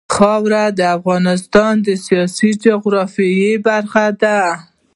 خاوره د افغانستان د سیاسي جغرافیه برخه ده.